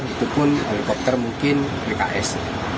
walaupun helikopter mungkin bks